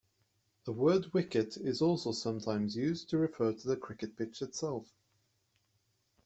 The word "wicket" is also sometimes used to refer to the cricket pitch itself.